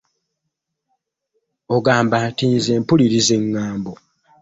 Ogamba nti nze mpuliriza eŋŋambo.